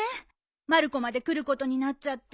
まる子まで来ることになっちゃって。